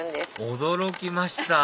驚きました